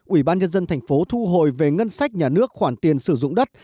ủy ban nhân dân tp hcm thu hồi về ngân sách nhà nước khoản tiền sử dụng đất